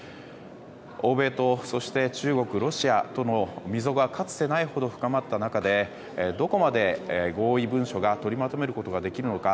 欧米と中国、ロシアとの溝がかつてないほど深まった中でどこまで合意文書を取りまとめることができるのか。